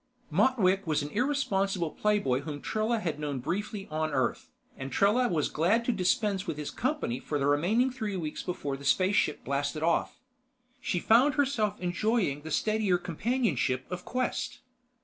Motwick was an irresponsible playboy whom Trella had known briefly on Earth, and Trella was glad to dispense with his company for the remaining three weeks before the spaceship blasted off. She found herself enjoying the steadier companionship of Quest.